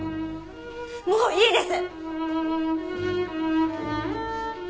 もういいです！